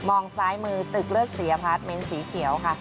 มองซ้ายมือตึกเลือดเสียพัดเม้นสีเขียวค่ะ